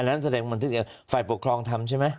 นั้นแสดงบันทึกฝ่ายปกครองทำใช่ไหม